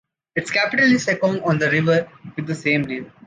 Its capital is Sekong, on the river with the same name.